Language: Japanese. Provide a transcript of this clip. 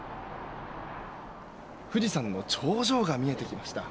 富士山の頂上が見えてきました。